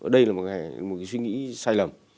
đây là một cái suy nghĩ sai lầm